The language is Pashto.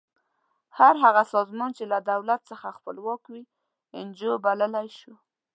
هر هغه سازمان چې له دولت څخه خپلواک وي انجو بللی شو.